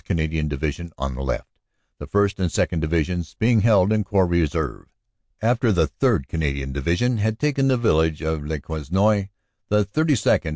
Canadian Division on the left, the 1st. and 2nd. Divisions being held in Corps Reserve. After the 3rd. Canadian Division had taken the village of Le Quesnoy, the 32nd.